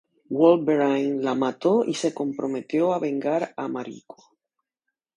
Wolverine la mató y se comprometió a vengar a Mariko.